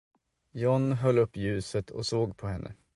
John höll upp ljuset och såg på henne.